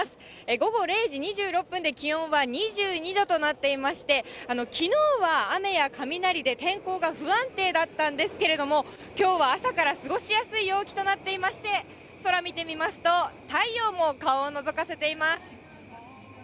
午後０時２６分で気温は２２度となっていまして、きのうは雨や雷で天候が不安定だったんですけれども、きょうは朝から過ごしやすい陽気となっていまして、空見てみますと、太陽も顔をのぞかせています。